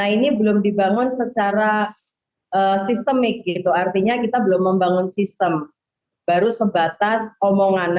ini belum dibangun secara sistemik gitu artinya kita belum membangun sistem baru sebatas omongan